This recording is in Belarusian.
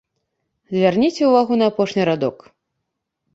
Звярніце ўвагу на апошні радок.